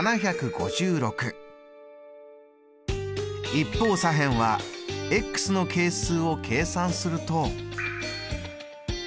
一方左辺はの係数を計算すると。